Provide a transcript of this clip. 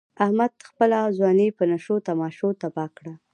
احمد خپله ځواني په نشو تماشو تباه کړ.